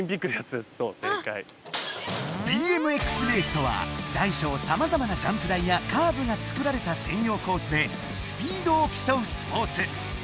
ＢＭＸレースとは大小さまざまなジャンプ台やカーブが作られた専用コースでスピードを競うスポーツ。